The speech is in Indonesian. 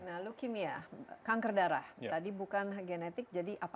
nah leukemia kanker darah tadi bukan genetik jadi apa